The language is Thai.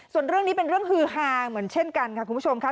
ส่วนเรื่องนี้เป็นเรื่องฮือฮาเหมือนเช่นกันค่ะคุณผู้ชมค่ะ